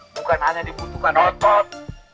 bukan hanya dibutuhkan otot